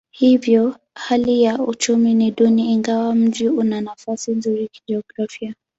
Hivyo hali ya uchumi ni duni ingawa mji una nafasi nzuri kijiografia.